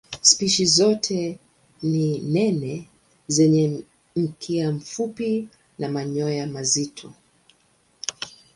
Spishi zote ni nene zenye mkia mfupi na manyoya mazito.